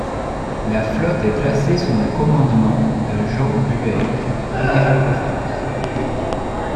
La flotte est placée sous le commandement de Jean de Bueil, amiral de France.